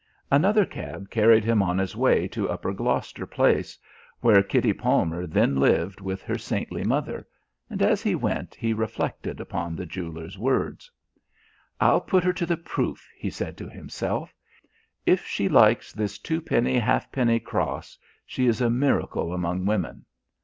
Another cab carried him on his way to Upper Gloucester Place where Kitty Palmer then lived with her saintly mother and as he went, he reflected upon the jeweller's words. "I'll put her to the proof," he said to himself, "if she likes this twopenny halfpenny cross, she is a miracle among women.